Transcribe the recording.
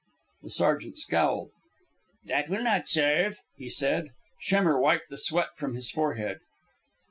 The sergeant scowled. "That will not serve," he said. Schemmer wiped the sweat from his forehead.